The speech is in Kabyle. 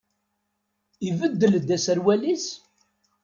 Ibeddel-d aserwal-is?